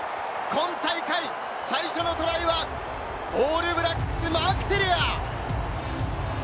今大会最初のトライは、オールブラックス、マーク・テレア！